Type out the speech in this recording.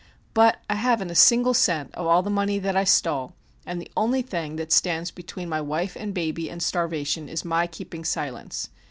But I haven't a single cent of all the money that I stole and the only thing that stands between my wife and baby and starvation is my keeping silence.